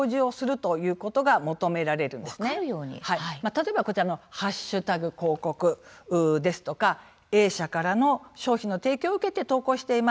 例えばこちらの「＃広告」ですとか「Ａ社からの商品の提供を受けて投稿しています」